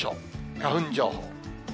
花粉情報。